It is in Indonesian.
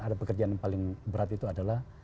ada pekerjaan yang paling berat itu adalah